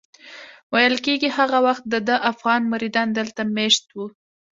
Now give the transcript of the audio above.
ویل کېږي هغه وخت دده افغان مریدان دلته مېشت وو.